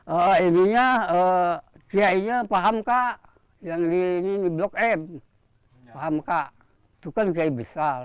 oh ininya kiainya paham kak yang ini di blok m paham kak itu kan kiai besar